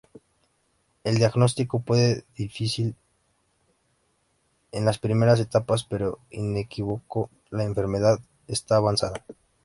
El diagnóstico puede difícil en las primeras etapas pero inequívoco la enfermedad está avanzada.